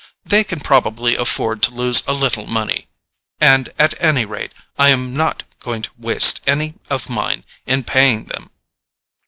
They can probably afford to lose a little money—and at any rate, I am not going to waste any of mine in paying them.